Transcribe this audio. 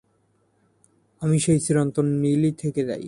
আমি সেই চিরন্তন নীলই থেকে যাই।